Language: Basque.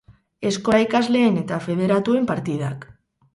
Eskola ikasleen eta federatuen partidak.